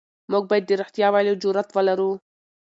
موږ بايد د رښتيا ويلو جرئت ولرو.